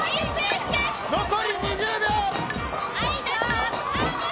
残り２０秒。